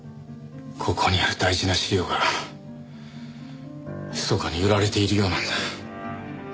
ここにある大事な資料がひそかに売られているようなんだ。